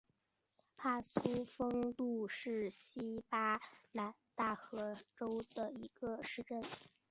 帕苏丰杜是巴西南大河州的一个市镇。